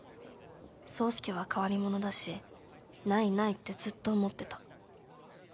宗介は変わり者だしないないってずっと思ってた。